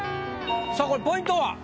さあこれポイントは？